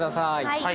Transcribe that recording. はい。